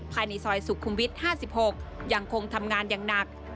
ภายในซอยสุขุมวิท๕๖ยังคงทำงานอย่างหนัก